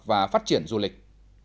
và phát triển du lịch